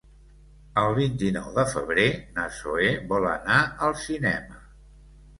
El vint-i-nou de febrer na Zoè vol anar al cinema.